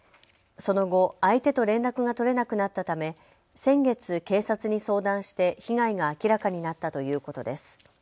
その後、相手と連絡が取れなくなったため先月、警察に相談して被害が明らかになったということです。